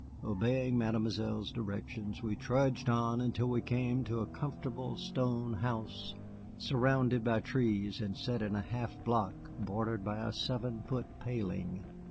Obeying Mademoiselle's directions, we trudged on until we came to a comfortable stone house surrounded by trees and set in a half block bordered by a seven foot paling.